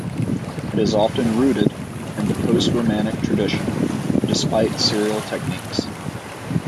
It is often rooted in the post-Romantic tradition, despite serial techniques.